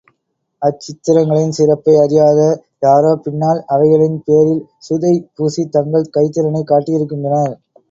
அச்சித்திரங்களின் சிறப்பை அறியாத யாரோ பின்னால் அவைகளின் பேரில் சுதை பூசித் தங்கள் கைத்திறனைக் காட்டியிருக்கின்றனர்.